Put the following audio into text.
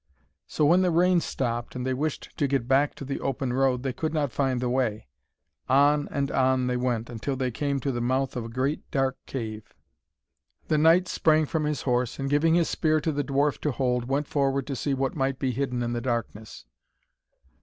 So when the rain stopped and they wished to get back to the open road, they could not find the way. On and on they went, until they came to the mouth of a great dark cave. The knight sprang from his horse, and giving his spear to the dwarf to hold, went forward to see what might be hidden in the darkness.